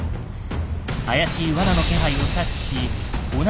怪しい罠の気配を察知しあっ！